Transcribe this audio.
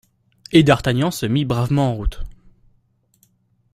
Et d'Artagnan se mit bravement en route.